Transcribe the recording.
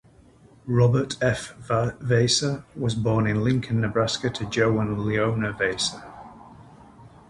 Robert F. Vasa was born in Lincoln, Nebraska, to Joe and Leona Vasa.